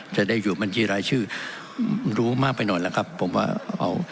จะได้อยู่บัญชีรายชื่อรู้มากไปหน่อยแล้วครับผมว่าเอา